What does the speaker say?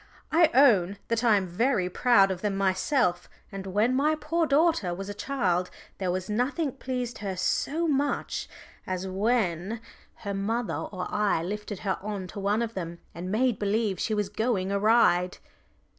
"I own that I am very proud of them myself, and when my poor daughter was a child there was nothing pleased her so much as when her mother or I lifted her on to one of them, and made believe she was going a ride."